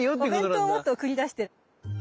お弁当を持って送り出してる。